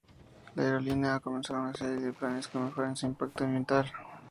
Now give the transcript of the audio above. La aerolínea ha comenzado una serie de planes que mejoren su impacto ambiental.